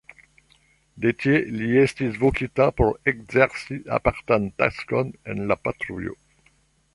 De tie li estis vokita por ekzerci apartan taskon en la patrujo.